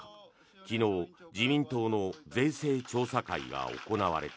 昨日、自民党の税制調査会が行われた。